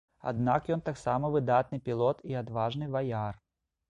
Аднак ён таксама выдатны пілот і адважны ваяр.